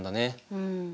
うん。